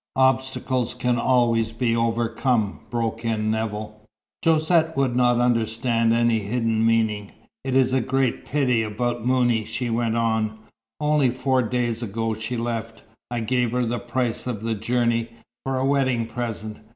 "Obstacles can always be overcome," broke in Nevill. Josette would not understand any hidden meaning. "It is a great pity about Mouni," she went on. "Only four days ago she left. I gave her the price of the journey, for a wedding present.